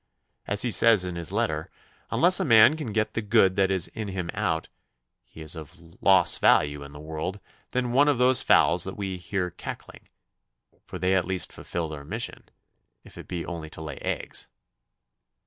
As he says in his letter, unless a man can get the good that is in him out, he is of loss value in the world than one of those fowls that we hear cackling, for they at least fulfill their mission, if it be only to lay eggs.